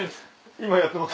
今やってます。